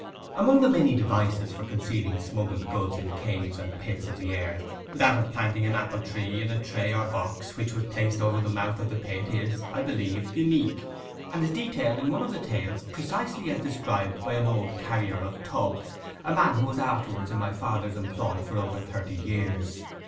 Among the many devices for concealing smuggled goods in caves and pits of the earth, that of planting an apple tree in a tray or box which was placed over the mouth of the pit is, I believe, unique, and it is detailed in one of the tales precisely as described by an old carrier of 'tubs'—a man who was afterwards in my father's employ for over thirty years.